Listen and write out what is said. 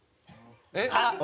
あっ！